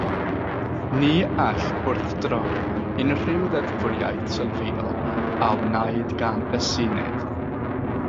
Ni all wrthdroi unrhyw ddeddfwriaeth sylfaenol a wnaed gan y Senedd.